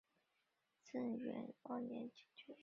正元二年进军。